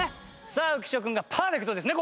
さあ浮所君がパーフェクトですね